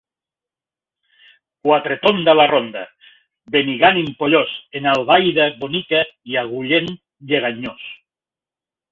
Quatretonda, la ronda; Benigànim pollós, en Albaida bonica i Agullent lleganyós.